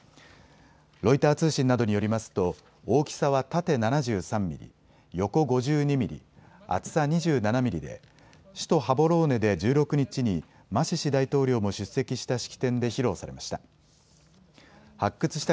ロイター通信などによりますと大きさは縦７３ミリ、横５２ミリ、厚さ２７ミリで首都ハボローネで１６日にマシシ大統領も出席した式典で披露されました。